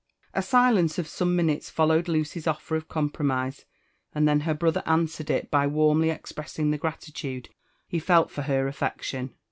A silence of some minutes followed Lucy's o€er of compromise, ^od then her brother answered it by warmly expressing the gratitude he felt for her affection.